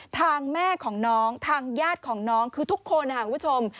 ทางแม่ของน้องทางญาติของน้องคือทุกคนนะครับคุณผู้ชม